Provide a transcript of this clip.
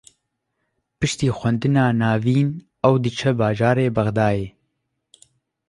Piştî xwendina navîn, ew diçe bajarê Bexdayê